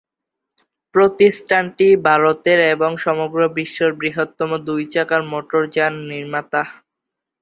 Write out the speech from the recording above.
প্রতিষ্ঠানটি ভারতের এবং সমগ্র বিশ্বের বৃহত্তম দুই-চাকার মোটরযান নির্মাতা।